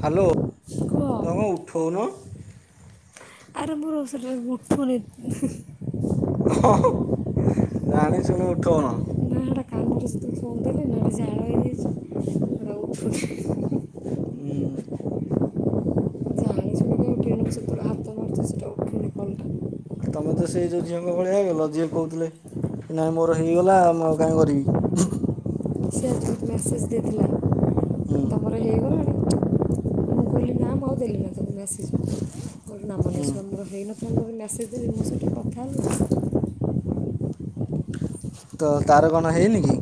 Hello କୁହ ତମେ କଣ ଉଠଉନ? ଆରେ ମୋର ସେଟା ରେ ଉଠୁନି ହୁଁ ହୁଁ। ଅଁ ହଁ ହଁ ଜାଣି ଶୁଣି ଉଠଉନ ନାଁ ଏଟା [unintelligible] [inaudible] ଥିଲି ନା ସେ ଝାଳ ହେଇ ଯାଇ ଉଠୁନି। ହୁଁ। ଜାଣି ଶୁଣି କାଇଁ ଉଠେଇବିନି ସେତେବେଳୁ ହାତ ମାରୁଚି ସେଟା ଉଠୁନି କଲ୍ ଟା। ତମେ ତ ସେଇ ଯୋଉ ଝିଅଙ୍କ ଭଳିଆ ହେଇଗଲ ଯିଏ କହୁଥିଲେ ନାଇଁ ମୋର ହେଇଗଲା ମୁଁ ଆଉ କାଇଁ କରିବି। ମ୍ୟାସେଜ୍ ଦେଇଥିଲା। ହୁଁ। ମୋର ହେଇଗଲାଣି! ମୁଁ କହିଲି ନା ମୁଁ ଆଉ ଦେଲିନି ଆଉ ଥରେ ମେସେଜ୍ [inaudible] ନାମ ନେ ହୁଁ [inaudible] ମୋର ହେଇନ ମୁ ତତେ ମେସେଜ୍ ଦେବି ମୁଁ ସହିତ କଥା ହବୁ ନା? ତ ତାର କଣ ହେଇନି କି?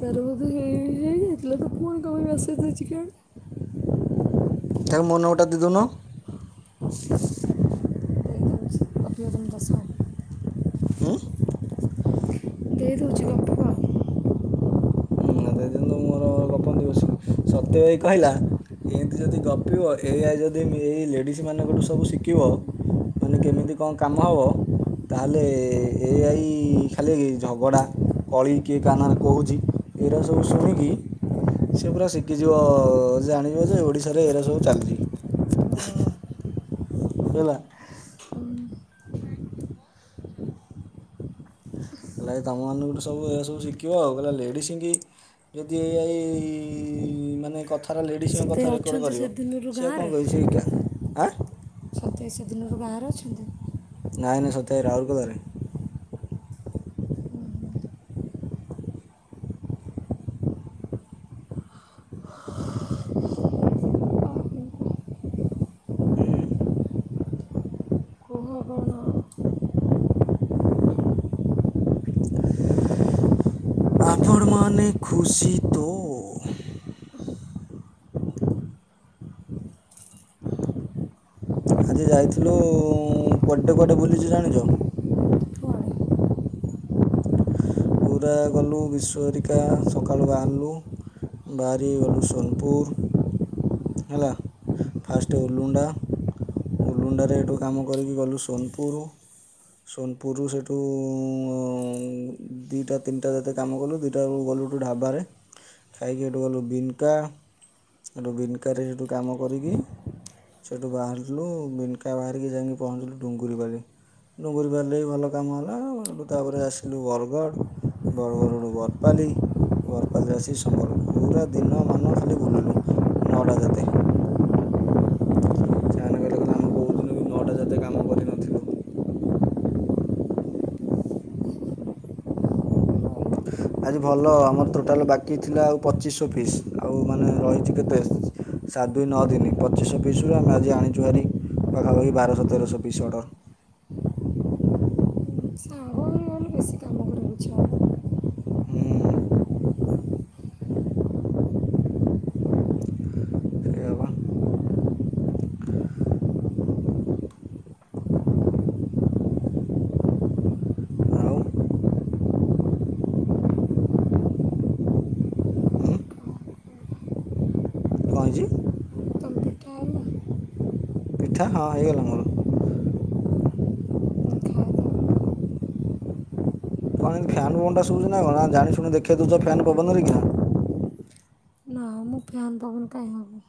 ତାର ବୋଧେ ହେଇ ହେଇଯାଇ ଥିଲା ତ ପୁଣି କଣ ପାଇଁ ମସେଜ୍ ଦେଇଚି କେୟାଣି? ତାକୁ ମୋ ନମ୍ୱର୍ ଟା ଦେଇ ଦଉନ। [inaudible] ଉଁ। ଦେଇ ଦଉଛି ରହ୍ ହୁଁ ଦେଇ ଦିଅନ୍ତୁ ମୁଁ ମୋର ଗପନ୍ତି ବସିକି, ସତ୍ୟ ଭାଇ କହିଲା ଏମିତି ଯଦି ଗପିବ ଏ ଆଇ ଯଦି ଏମ୍ ଏଇ ଲେଡ଼ିଜ୍ ମାନଙ୍କଠୁ ସବୁ ଶିକିବ ମାନେ କେମିତି କଁ କାମ ହବ ତାହେଲେ ଏ ଆଇ ଖାଲି ଝଗଡ଼ା କଳି କିଏ କା ନା ରେ କହୁଛି ଏରା ସବୁ ଶୁଣିକି ସିଏ ପୁରା ଶିକିଯିବ, ଜାଣଯିବ ଯେ ଓଡ଼ିଶାରେ ଏରା ସବୁ ଚାଲିଚି। ହେଲା। ହେଲା ତମମାନଙ୍କୁ ଠୁଁ ସବୁ ଏୟା ସବୁ ଶିଖିବ ଆଉ ହେଲା ଲେଡ଼ିସ୍ ଙ୍କି ଯଦି ଏ ଆଇ ଇ ମାନେ କଥା ସାରା ଲେଡ଼ିସ୍ ଙ୍କ ସତେ କଥା ରେକର୍ଡ଼ ଅଛନ୍ତି ସେ କରିବ ଦିନରୁ ସେ ଆଉ କଣ କରିବ ସେ ଏଟା ଆ ସତ୍ୟ ଭାଇ ସେ ଦିନରୁ ଗାଁ ରେ ଅଛନ୍ତି? ନାଇଁ ନାଇଁ ସତ୍ୟ ଭାଇ ରାଉରକେଲା ରେ। ଉଁ ଉଁ। କୁହ କଣ? ଆପଣ ମାନେ ଖୁସି ତ? ଆଜି ଯାଇଥିଲୁ ଉ କୁଆଡେ କୁଆଡେ ବୁଲିଚି ଜାଣିଚ? କୁଆଡ଼େ ପୁରା ଗଲୁ ବିଶୁ ହରିକା ସକାଳୁ ବାହାରିଲୁ ବାହାରିକି ଗଲୁ ସୋନପୁର। ହେଲା ଫାଷ୍ଟ ଉଲୁଣ୍ଡା ଉଲୁଣ୍ଡାରେ ଏଠୁ କାମ କରିକି ଗଲୁ ସୋନପୁର। ସୋନପୁରରୁ ସେଇଠୁ ଉ ଦିଇଟା ତିନିଟା ଯାଗା କାମ କଲୁ ଦିଇଟା ଆଳକୁ ଗଲୁ ଠୁ ଢାବାରେ ଖାଇକି ଏଠୁ ଗଲୁ ବିନକା ହେଠୁ ବିନକାରେ ହେଠୁ କାମ କରିକି ସେଠୁ ବାହାରି ଲୁ ବିନକା ବାହାରିକି ଯାଇକି ପହଞ୍ଚିଲୁ ଡୁଙ୍ଗରି ବାଲି। ଡୁଙ୍ଗୁରୀ ବାଲି ରେ ଭଲ କାମ ହେଲା ତାପରେ ଆସିଲୁ ବରଗଡ଼। ବରଗଡ୍ ରୁ ବରପାଲି ବରପାଲି ରେ ଆସି ସମ୍ବଲପୁର ପୁରା ଦିନମାନ ଖାଲି ବୁଲି ଲୁ ନଅଟା ଯାତେ। ସେମାନେ କହିଲେ କଲେ ଆମେ କଉ ଦିନ ବି ନଅଟା ଯାାତେ କାମ କରିନଥିଲୁ। ଆଜି ଭଲ ଆମର ଟୋଟାଲ ବାକି ଥିଲା ଆଉ ପଚିଶଶ ପିସ୍ ଆଉ ମାନେ ରହିଛି କେତେ ସାତ ଦୁଇ ନଅ ଦିନି ପଚିଶ ପିସରୁ ଆମେ ଆଜି ଆଣିଛୁ ହାରି ପାଖାପାଖି ବାରଶହ ତେରଶହ ପିସ୍ ଅର୍ଡ଼ର। ସାଙ୍ଗ ହେଇଗଲେ ବେଶୀ କାମ କରିବାକୁ ଇଚ୍ଛା ହବ ହୁଁ। ସେଇଆ ପା। ଆଉ ଉଁ। କଁ ହେଇଚି? ତମେ ପିଠା ହେଲା ପିଠା ହଁ ହେଇଗଲା ମୋର। ଖାଇଦେବ କଣ ଏମତି ଫ୍ୟାନ୍ ପବନ ଟା ସୁବୁଚି ନା କଣ ନା ଜାଣି ଶୁଣି ଦେଖେଇ ଦେଉଛ ଫ୍ୟାନ ପବନରେ କି ନା। ଫ୍ୟାନ ପବନ କାଇଁ ହବ।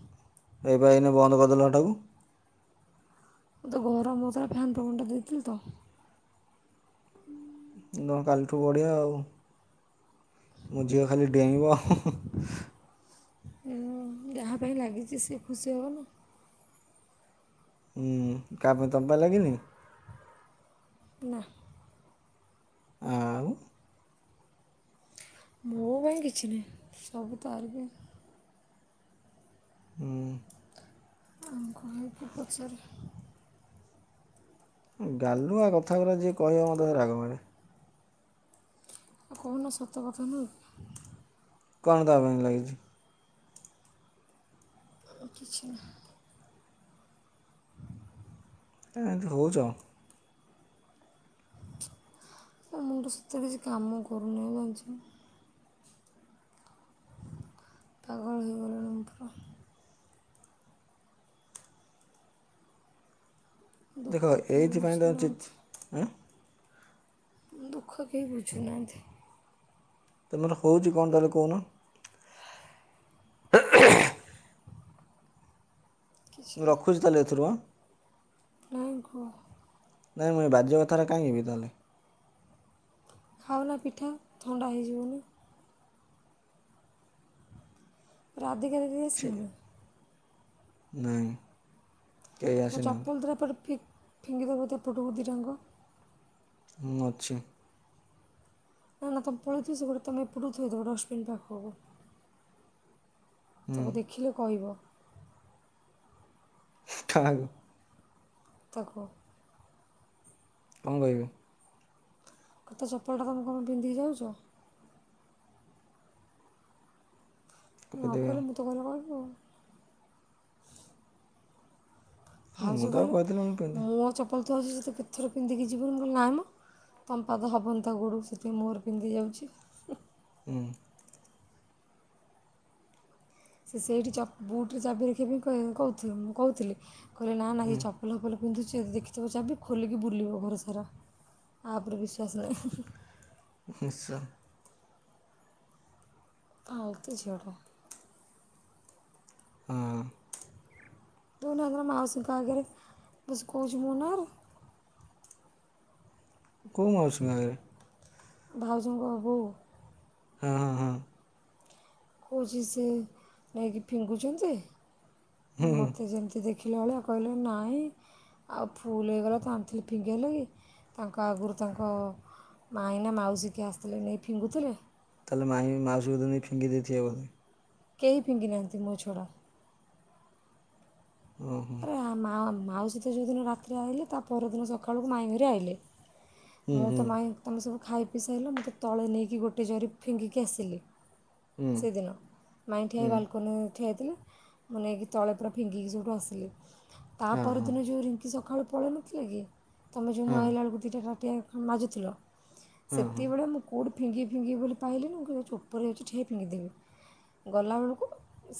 ହେଇପା ଏଇନେ ବନ୍ଦ କରିଦେଲା ହେଟାକୁ। [inaudible] ମୁଁ [unintelligible] ଫ୍ୟାନ୍ ପବନଟା ଦେଇଥିଲି ତ। [inaudible] କାଲିଠୁ ବଢିଆ ଆଉ, ମୋ ଝିଅ ଖାଲି ଡେଇଁବ ଆଉ। ଉଁ, ଯାହା ପାଇଁ ଲାଗିଛି ସେ ଖୁସି ହବନା। ଉଁ-ଉଁ-ଉଁ କା ପାଇଁ ତମ ପାଇଁ ଲାଗିନି? ନା। ଆ-ଉ ମୋ ପାଇଁ କିଛି ନାହିଁ ସବୁ ତାରି ପାଇଁ। ଉଁ। ଆମକୁ କାହିଁ କିଏ ପଚାରେ। ଉଁ ଗାଲୁଆ କଥାଗୁରା ଯିଏ କହିବ ମୋତେ ଭାରି ରାଗ ମାଡେ। ଆଉ କହୁନ ସତ କଥା ନୁହଁ। କଣ ତା ପାଇଁ ଲାଗିଛି? ଅ କିିଛି ନା। କାଇଁ ଏମିତି ହଉଚ? ମୋ ମୁଣ୍ଡ ସତରେ କିଛି କାମ କରୁନି ଜାଣିଛ ନା। ପାଗଳ ହେଇଗଲଣି [unintelligible] ଦୁଃଖ ଦେଖ କେହି ଏଇଥିପାଇଁ ତମେ ବୁଝୁନାହାନ୍ତି ଚି-ଚି ଉଁ। ଦୁଃଖ କେହି ବୁଝୁନାହାଁନ୍ତି। ତମର ହଉଛି କଣ ତାହେଲେ କହୁନ। [unintelligible] କିଛି ମୁଁ ନାହିଁ ରଖୁଛି ତାହେଲେ ଏଥର। ନାଇଁ କୁହ। ନାହିଁ ମୁଁ ଏ ବାଜେ କଥାରା କାହିଁ ହେବି ତାହେଲେ। ଖାଉନ ପିଠା ଥଣ୍ଡା ହେଇଯିବଣି। ରାଧିକା ଦିଦି ଛି ଆସିଲେଣି? ନାଇଁ। କେହି ମୋ ଆସିନାହାନ୍ତି ଚପଲ ଦିଟା ଏପଟେ ଫି ଫିଙ୍ଗିଦେବ ତ ଏପଟକୁ ଦିଟାଙ୍କ। ମୁଁ ଅଛି। ନା-ନା ତମେ ପଳେଇଥିବ ସେପଟେ ତମେ ଏପଟୁ ଥୋଇଦେବ ଡଷ୍ଟବିନ୍ ପାଖକୁ। ହୁଁ ତାକୁ ଦେଖିଲେ କହିବ। କାହାକୁ? ତାକୁ। କଣ କହିବି? [inaudible] ତା ଚପଲଟା ତମେ କଣ ପାଇଁ ପିନ୍ଧିକି ଯାଉଛ? ନ କହିଦେବି ଆଉ କହିଲେ ମୁଁ ତ ଗଲେ କହିବି ଆଉ। ମୁଁ ଭାଉଜ ତ ଆଉ କହିଲେ କହିଦେଲି ମୁଁ ପିନ୍ଧେ ମୋ ଚପଲ ତ ଅଛି ସେ ତ କେତେଥର ପିନ୍ଧିକି ଯିବୁହେରି ମୁଁ କହିଲି ନାଇଁ ମ। ତମ ପାାଦ ହବନି ତା ଗୋଡ଼କୁ ସେଥିପାଇଁ ମୋର ପିନ୍ଧି ଯାଉଛି। ହୁଁ। ସେ ସେଇଠି ଚପ୍ ବୁଟ୍ ରେ ଚାବି ରଖିବା ପାଇଁ କହି-କହୁଥି-ଲେ କହୁଥିଲେ, କହିଲେ ନା-ନା ଏ ହୁଁ ଚପ୍ ପଲ ଫପଲ ପିନ୍ଧୁଛି ଯଦି ଦେଖିଥିବ ଚାବି ଖୋଲିକି ବୁଲିବ ଘର ସାରା। ଆ ଉପରେ ବିଶ୍ୱାସ ନାହିଁ। ନିଶ୍ଚ ଫାଲତୁ ଝିଅଟା। ହଁ। [unintelligible] ମାଉସୀଙ୍କ ଆଗରେ ବସି କହୁଚି ମୋ ନାଁଆରେ। କୋଉ ମାଉସି ନାରେ। ଭାଉଜଙ୍କ ବୋଉ। ହଁ ହଁ ହଁ। କୋଉଛି ସେ ନେଇକି ଫିଙ୍ଗୁଛନ୍ତି। ହୁଁ ହୁଁ ମୋତେ ଯେମିତି ଦେଖ ଦେଖିଲା ଭଳିଆ କହିଲେ ନାଇଁ। ଆଉ ଫୁଲ ହେଇଗଲା ତ ଆଣିଥିଲି ପିଙ୍ଗି ହେଲା କି ତାଙ୍କ ଆଗରୁ ତାଙ୍କ ମାଇଁ ନା ମାଉସୀ କିଏ ଆସିଥିଲେ ନେଇ ଫିଙ୍ଗୁଥିଲେ? ତାହେଲେ ମାଇଁ ମାଉସୀ ନେଇ ଫିଙ୍ଗି ଦେଇଥିବେ ବୋଧେ। କେହି ଫିଙ୍ଗି ନାହାଁନ୍ତି ମୋ ଛଡ଼ା। ଓହୋ ଆରେ ମା ମାଉସୀତ ଯେଉଁଦିନ ରାତିରେ ଆସିଲେ ତା ପରଦିନ ସକାଳକୁ ମାଇଁ ଘରି ଆଇଲେ। ମୁଁ ତ ମାଇଁ ତୁମେ ସବୁ ଖାଇ ପି ସାଇଲେ ମୋତେ ତଳେ ନେଇକି ଗୋଟେ ଜରି ଫିଙ୍ଗିକି ଆସିଲି। ସେଇଦିନ। ମାଇଁ ଠିଆଇ ବାଲୁକନି ଠିଆଇଥିଲେ। ମୁଁ ନେଇକି ତଳେ ପୁରା ଫିଙ୍ଗିକି ସେଉଁଠୁ ଆସିଲି। ତା ପରଦିନ ଯେଉଁ ରିଙ୍କି ସକାଳୁ ପଳେଇନଥିଲା କି। ତମେ ଯେଉଁ ମୁଁ ଆଇଲା ବେଳକୁ ଦୁଇଟା ଟାଟିଆ ମାଜୁଥିଲ। ସେତିବେଳେ ମୁଁ କୋଉଠି ଫିଙ୍ଗି ଫିଙ୍ଗି ବୋଲି ପାରିଲିନି ମୁ କହିଲି ଉପରେ ଯାଉଚି ଠିଆ ହେଇକି ଫିଙ୍ଗିଦେବି। ଗଲାବେଳକୁ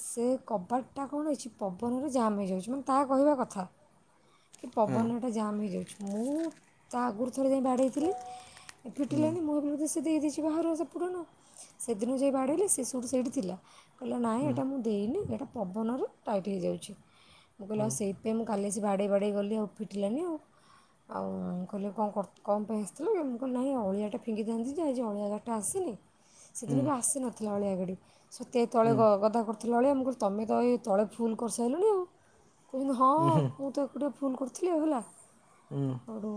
ସେ କବାଟ ଟା କଣ ହେଇଛି ପବନରେ ଜାମ୍ ହେଇଯାଉଛି ମାନେ ତାହା କହିବା କଥା। କି ପବନରେ ଏଟା ଜାମ୍ ହେଇଯାଉଛି। ମୁଁ ତା ଆଗରୁ ଥରେ ଯାଇ ବାଡ଼େଇଥିଲି। ଏ ଫିଟିଲାନି ମୁଁ ଭାବିଲି ବୋଧେ ସିଏ ଦେଇ ଦେଇଛି। ବହାରୁଆ ସେପଟୁଆ ନା ସେଦିନ ଯାଇ ବାଡ଼େଇଲେ ସେ ସୁଟି ସେଇଠି ଥିଲା କହିଲା ନାଇଁ ଏଟା ଦେଇନି ଏଇଟା ପବନରୁ ଟାଇଟ୍ ହେଇଯାଉଛି। ମୁଁ କହିଲି, ଆଉ ସେଥିପାଇଁ ମୁଁ କାଲି ଆସି ବାଡ଼େଇ ବାଡ଼େଇ ଗଲି ଆଉ ଫିଟିଲାନି ଆଉ। ଆଉ କହିଲେ କଣ କ ପାଇଁ ଆସିଥିଲୁ? କହିଲି ନାଇଁ ଅଳିଆଟା ଫିଙ୍ଗିଥାଆନ୍ତି ଯେ ଆଜି ଅଳିଆ ଗାଡ଼ି ଟା ଆସିନି। ସେଦିନ ବି ଆସିନଥିଲା ଅଳିଆ ଗାଡି। ସତେ ତଳେ ଗ ଗଦା କରୁଥିଲା। ଥିଲାବେଳେ ଆମକୁ କ ତମେ ତ ଏଇ ତଳେ ଫୁଲ କରିସାରିଲଣି ଆଉ। କହୁଛନ୍ତି ହଁ, ମୁଁ ତ ଏକୁଟିଆ ଫୋନ୍ କରିୁଥିଲି ଆଉ ହେଲା। ହଁ। ସେଠୁ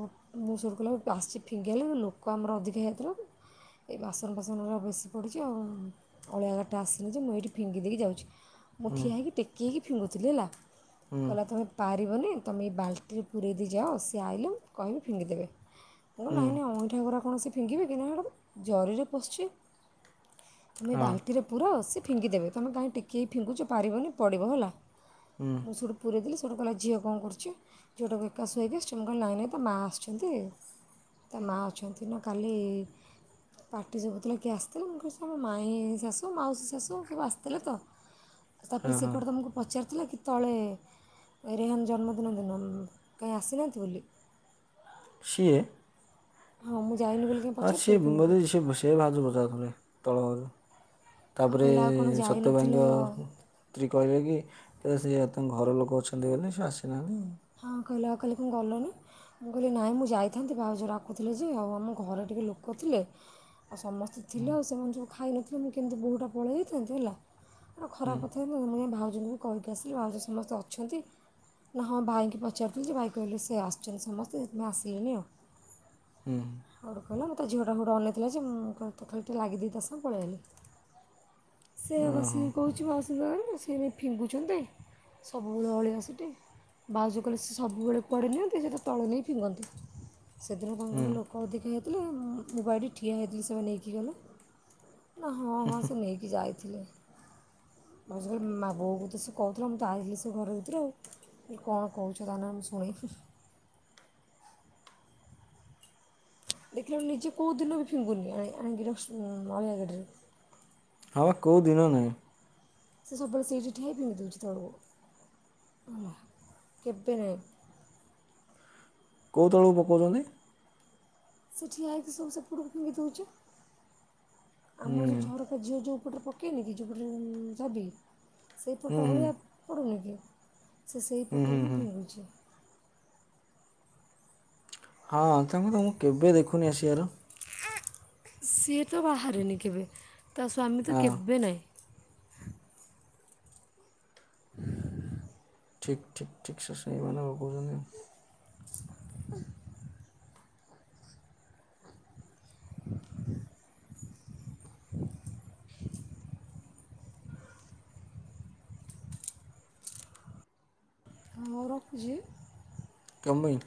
ମୁଁ ସେଠୁ କହିଲି ଆସିଛି ଫିଙ୍ଗିବା ଲାଗି ଲୋକ ଆମର ଅଧିକ ହେଇଯାଇଥିଲା ତ। ଏଇ ବାସନ ଫାସନ ଗୁଡା ବେଶୀ ପଡ଼ିଛି ଆଉ। ଅଳିଆ ଗାଡିଟା ଆସିଲି ଯେ ମୁଁ ଏଇଠି ଫିଙ୍ଗି ଦେଇକି ଯାଉଛି। ମୁଁ ଠିଆ ହୋଇକି ଟେକି ହେଇ ଫିଙ୍ଗୁଥିଲି ହେଲା। କହିଲା, ତୁମେ ପାରିବନି ତୁମେ ଏଇ ବାଲ୍ଟି ରେ ପୁରେଇ ଦେଇ ଯାଅ। ସିଏ ଆଇିଲେ କହିବି ଫିଙ୍ଗିଦେବେ। ମୁଁ କହିଲି ନାଇଁ ନାଇଁ ଅଇଁଠାକୁରା ସେ କଣ ଫିଙ୍ଗିବେ କି ନାଇ ସେଟା ତ ଜରିରେ ପଶଛି। ତୁମେ ଏ ବାଲ୍ଟିରେ ପୁରାଅ ସେ ଫିଙ୍ଗିଦେବେ ତୁମେ କାହିଁ ଟେକି ହେଇ ଫିଙ୍ଗୁଛ ପାରିବନି ପଡ଼ିବ ହେଲା। ହୁଁ। [inaudible] ପୁରେଇଦେଲି ସେଇଠୁ କହିଲା ଝିଅ କଣ କରୁଛି? ଝିଅଟାକୁ ଏକା ଶୋଇକି ଆସିଛ ମୁଁ କହିଲେ ନାଇଁ ନହିଁ ତା ମା ଆସିଛନ୍ତି। ତା ମା ଅଛନ୍ତି ନା କାଲି ପାଟି ସୁଭୁଥିଲା କିଏ ଆସିଥିଲେ? ମୁଁ କହୁଛି ଆମ ମାଇଁ ଶାଶୁ, ମାଉସୀ ଶାଶୁ ସବୁ ଆସିଥିଲେ ତ। [inaudible] ତାପରେ ସେ ହଁ। କୁଆଡେ ତୁମକୁ ପଚାରିଥିଲା କି ତଳେ ରୋହନ୍ ଜନ୍ମଦିନ ଦିନ କାହିଁ ଆସିନାହାଁନ୍ତି ବୋଲି। ସିଏ। ହଁ ମୁଁ ଯାଇନି ବୋଲି କାହିଁ ହଁ ସି ପଚାରୁଥିଲି କି ତୁମକୁ ମତେ ସେ ସେ ଭାଉଜ ପଚାରୁଥିଲେ, ତଳ ଭାଉଜ। ଆଉ ତାପରେ କହିଲା ଆଉ କ'ଣ ସତ୍ୟ ଯାଇନଥିଲ ଭାଇଙ୍କ ସ୍ତ୍ରୀ କହିଲେ କି ସେ ତାଙ୍କ ଘର ଲୋକ ଅଛନ୍ତି ବୋଲି ସେ ଆସୁନାହାନ୍ତି। ହଁ କହିଲା ଆଉ କହିଲା କି ମୁଁ ଗଲିନି। ମୁଁ କହିଲି ନାଇଁ ମୁଁ ଯାଇଥାନ୍ତି ଭାଉଜ ଡାକୁଥିଲେ ଯେ, ଆଉ ଆମ ଘରେ ଟିକେ ଲୋକ ଥିଲେ। ଆଉ ସମସ୍ତେ ଥିଲେ ଆଉ ସେମାନେ ସବୁ ଖାଇନଥିଲେ ମୁଁ କେମିତି ବୋହୁଟା ପଳେଇ ଯାଇଥାନ୍ତି ହେଲା, ଏ ଖରାପ କଥା ନାଇଁ ନାଇଁ ଭାଉଜଙ୍କୁ ବି କହିକି ଆସିଲି ଭାଉଜ ସମସ୍ତେ ଅଛନ୍ତି, ନା ହଁ ଭାଇ କି ପଚାରୁଥିଲି ଯେ, ଭାଇ କହିଲେ ସେ ଆସିଚନ୍ତି ସମସ୍ତେ ସେଥିପାଇଁ ଆସିବନି ଆଉ। ହୁଁ। ହଉ କହିଲା ତା ଝିଅଟା ମତେ ଅନେଇଥିଲା ଯେ ମୁଁ ତା ଖାଲି ଟିକେ ଲାଗି ଦେଇ ତା ସାଙ୍ଗେ ପଳେଇଆଇଲି। ସେ ଓହୋ! ବସିକି କହୁଚି ମାଉସୀଙ୍କ ଆଗରେ ସେ ନେଇକି ଫିଙ୍ଗୁଛନ୍ତି ସବୁବେଳେ ଅଳିଆ ସେଠି। ଭାଉଜ କହିଲେ ସେ ସବୁବେଳେ ପଡିଲେ ସିଏତ ତଳେ ନେଇ ଫିଙ୍ଗନ୍ତି, ସେଦିନ ତାଙ୍କ ହୁଁ। ଘରେ ଲୋକ୍ ଲୋକ ଅଧିକାହେଇଥିଲେ ମୁଁ ପା ଏଇଟି ଠିଆ ହେଇଥିଲି ସେମାନେ ନେଇକି ଗଲେ ନା ହଁ ହଁ ସେ ନେଇକି କି ଯାଇଥିଲେ ମାଉସୀ କହିଲେ ମା ବୋଉକୁ ତ ସେ କହୁଥିଲା ମୁଁ ତ ଆଇଲି ସେ ଘର ଭିତରୁ ଆଉ। ମୁଁ କଣ କହୁଚ ତା ନାଁରେ ମୁଁ ଶୁଣେଇ। ଦେଖିଲାବେଳକୁ ନିଜେ କୋଉ ଦିନ ବି ଫିଙ୍ଗୁନି ଆଣି ଆଣିକି ଡଷ୍ଟ ପି ଅଳିଆ ଗାଡ଼ିରେ। ହଁବା କୋଉ ଦିନ ନାଇଁ। ସେ ସବୁବେଳେ ସେଇଠି ଠିଆହେଇ ପିଙ୍ଗୁ ଥବ ହେଲା କେବେନାଇଁ। କୋଉ ତଳକୁ ପକଉଚନ୍ତି? ସେ ଠିଆ ହେଇକି ସବୁ ସେପଟକୁ ଫିଙ୍ଗି ଦଉଚି, ଆମ ହୁଁ। ଯୋଉ ଝର ତା ଝିଅ ଯୋଉ ପଟରେ ପକେଇନି କି ଯୋଉପଟ ଚାବି ସେଇ ହୁଁ, ପଟେ ହୁଁ। ଅଳିଆ ପଡ଼ୁନି କି? ସେ ସେଇ ହୁଁ, ପଟୁ ହୁଁ, ହିଁ ହୁଁ। ଫିଙ୍ଗୁଚି। ହଁ, ତାଙ୍କୁ ତ ମୁଁ କେବେ ଦେଖୁନି ଆସିଆର? ସିଏ ତ ବାହାରେନି କେବେ, ତା ସ୍ୱାମୀ ତ ହଁ କେବେନାଇଁ। ଠିକ୍ ଠିକ୍ ଠିକ୍ ସୁସ୍ମି ମାଡାମ୍ କହୁଚନ୍ତି ଆଉ। ହ ହଉ ରଖୁଚି। କଁ ମାଇଁ?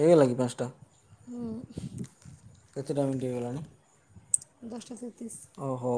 ହେଇଗଲା କି ପାଁସ୍ଟା? ହୁଁ। କେତେ ଟା ମିଣ୍ଟି ହେଇଗଲାଣି? ଦଶଟା ସଇତିରିଶ୍। ଅ ହଉ।